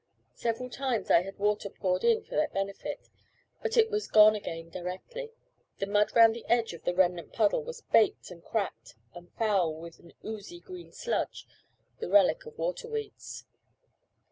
Several times I had water poured in for their benefit, but it was gone again directly. The mud round the edge of the remnant puddle was baked and cracked, and foul with an oozy green sludge, the relic of water weeds.